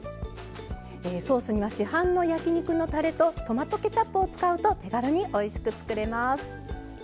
ソースには市販の焼き肉のたれとトマトケチャップを使うと手軽においしく作れます。